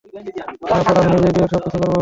না স্যার, আমি নিজেই বিয়ের সবকিছু করবো।